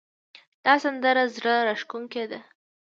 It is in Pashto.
دا سندره زړه راښکونکې ده